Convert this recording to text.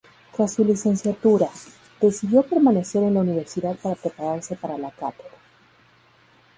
Tras su licenciatura, decidió permanecer en la universidad para prepararse para la cátedra.